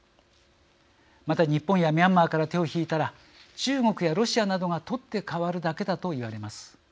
また日本やミャンマーから手を引いたら中国やロシアなどが取って代わるだけだと言われます。